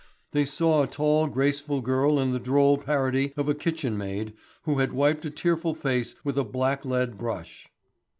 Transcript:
They saw a tall, graceful girl in the droll parody of a kitchen maid who had wiped a tearful face with a blacklead brush.